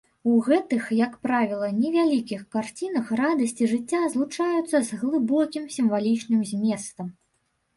У гэтых, як правіла, невялікіх карцінах радасці жыцця злучаюцца з глыбокім сімвалічным зместам.